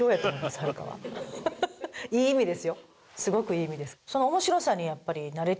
すごくいい意味です。